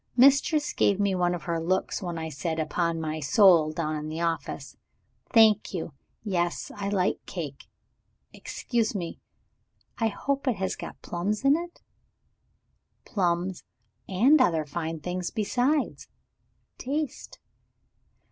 Mistress gave me one of her looks when I said 'Upon my soul' down in the office. Thank you. Yes; I like cake. Excuse me I hope it has got plums in it?" "Plums and other fine things besides. Taste!"